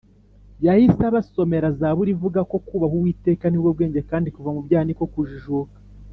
Yahise abasomera zaburi ivuga ngo kubaha uwiteka nibwo bwenge kandi kuva mubyaha niko kujijuka